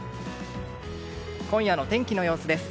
今夜の天気の様子です。